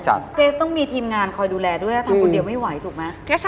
จะต้องซื้อให้เกลียวกินเข้าใจมา